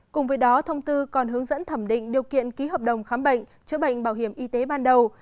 cùng với đó thông tư còn hướng dẫn thẩm định điều kiện ký hợp đồng khám bệnh chữa bệnh bảo hiểm y tế ban đầu